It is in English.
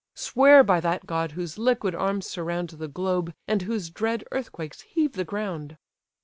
Swear by that god whose liquid arms surround The globe, and whose dread earthquakes heave the ground!"